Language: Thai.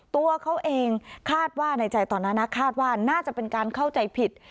ตัวเขาเองคาดว่าในใจตอนนั้นนะคาดว่าน่าจะเป็นการเข้าใจผิด